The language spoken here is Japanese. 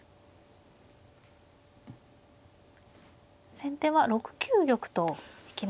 先手は６九玉と引きましたね。